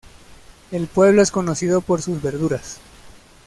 El pueblo es conocido por sus verduras.